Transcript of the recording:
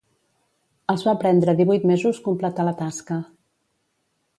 Els va prendre divuit mesos completar la tasca.